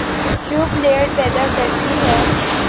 جو پلئیر پیدا کرتی ہے،